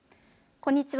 こんにちは。